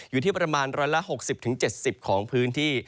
อยู่ที่ประมาณ๑๖๐๗๐ของพื้นที่